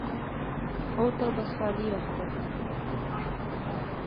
او تہ بس خالی ہتھ دا